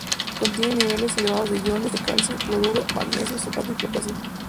Contienen niveles elevados de iones de calcio, cloruro, magnesio, sulfato y potasio.